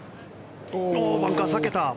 バンカー避けた。